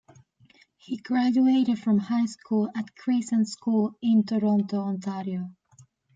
He graduated from high school at Crescent School in Toronto, Ontario.